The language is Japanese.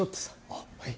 あっはい。